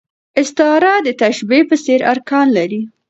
استعاره د تشبېه په څېر ارکان لري.